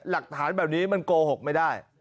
หลักฐานแบบนี้มันโกหกไม่ได้